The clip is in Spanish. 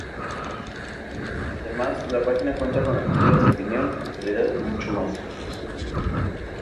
Además, la página cuenta con artículos de opinión, actualidad y mucho más.